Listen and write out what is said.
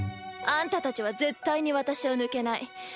あんたたちは絶対に私を抜けない。